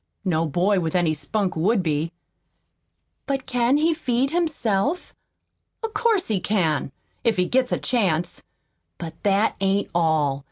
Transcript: No boy with any spunk would be." "But can he feed himself?" "Of course he can if he gets a chance! But that ain't all.